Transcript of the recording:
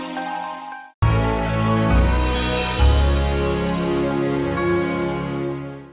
kau bukan nimas rara serap